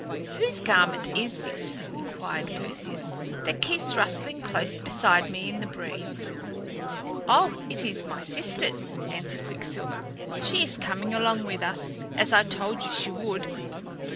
"Whose garment is this," inquired Perseus, "that keeps rustling close beside me in the breeze?" "Oh, it is my sister's!" answered Quicksilver. "She is coming along with us, as I told you she would.